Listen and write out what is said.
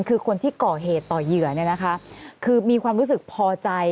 คือคนที่ก่อเหตุต่อเหยื่อคือมีความรู้สึกพอใจ